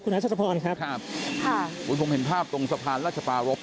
คุณราชสภรครับครับคุณผมเห็นภาพตรงสะพานราชภารกษ์